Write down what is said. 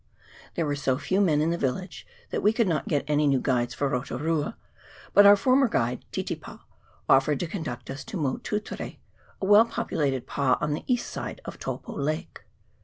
There were so few men in the village, that we could not get any new guides for Roturua, but our former guide Titipa offered to conduct us to Motutere, a well populated pa on the east side of Taupo lake.